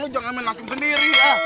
lo jangan main langsung sendiri ya